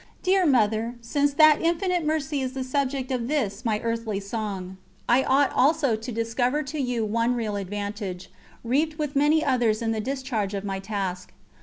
Dear Mother, since that Infinite Mercy is the subject of this my earthly song, I ought also to discover to you one real advantage, reaped with many others in the discharge of my task.